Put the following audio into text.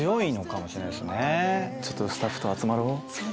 ちょっとスタッフと集まろう。